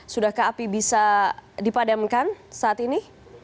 sudahkah api bisa dipadamkan saat ini